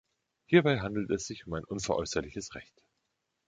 Hierbei handelt es sich um ein unveräußerliches Recht.